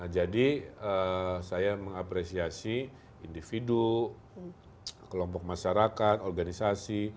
jadi saya mengapresiasi individu kelompok masyarakat organisasi